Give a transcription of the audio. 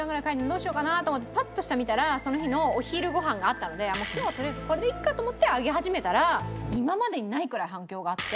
どうしようかなと思ってパッと下を見たらその日のお昼ご飯があったので今日はとりあえずこれでいいかと思って上げ始めたら今までにないくらい反響があって。